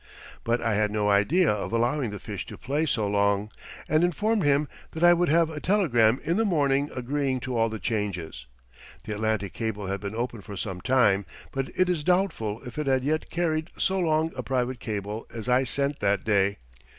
But I had no idea of allowing the fish to play so long, and informed him that I would have a telegram in the morning agreeing to all the changes. The Atlantic cable had been open for some time, but it is doubtful if it had yet carried so long a private cable as I sent that day.